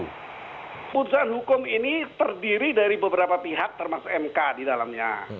keputusan hukum ini terdiri dari beberapa pihak termasuk mk di dalamnya